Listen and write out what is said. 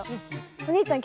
お兄ちゃん